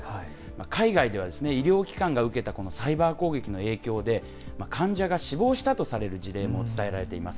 海外では医療機関が受けたこのサイバー攻撃の影響で、患者が死亡したとされる事例も伝えられています。